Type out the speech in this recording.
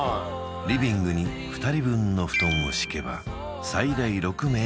リビングに２人分の布団を敷けばへえああ